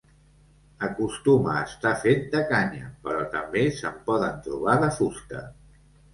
Acostuma a estar fet de canya, però també se'n poden trobar de fusta.